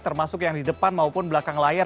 termasuk yang di depan maupun belakang layar